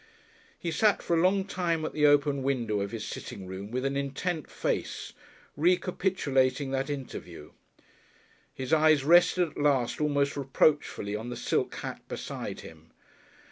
He sat for a long time at the open window of his sitting room with an intent face, recapitulating that interview. His eyes rested at last almost reproachfully on the silk hat beside him.